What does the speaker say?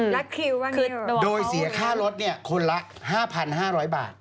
แล้วคิวว่านี่หรือคือโดยเสียค่าลดคนละ๕๕๐๐บาท